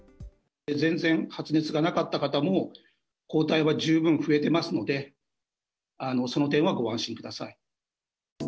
全然、発熱がなかった方も、抗体は十分増えてますので、その点はご安心ください。